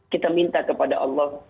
kita minta kepada allah